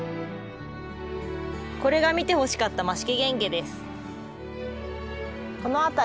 これが見てほしかったマシケゲンゲです。